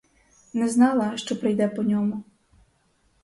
Не знала, що прийде по ньому.